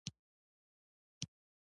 آیا دوی جاپان او چین ته لرګي نه لیږي؟